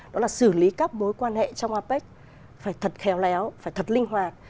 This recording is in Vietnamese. đó là xử lý các mối quan hệ trong apec phải thật khéo léo phải thật linh hoạt